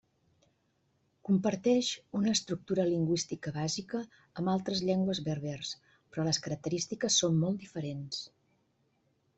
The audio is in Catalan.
Comparteix una estructura lingüística bàsica amb altres llengües berbers, però les característiques són molt diferents.